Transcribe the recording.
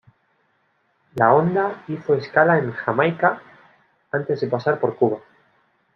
La onda hizo escala en Jamaica antes de pasar por Cuba.